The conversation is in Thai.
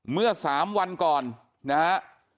เมื่อ๓วันก่อนนะฮะ